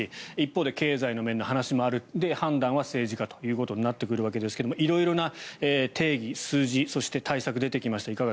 一方で経済の面の話もある判断は政治家ということになってくるわけですが色々な定義、数字そして対策が出てきました。